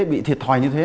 bị thiệt thòi như thế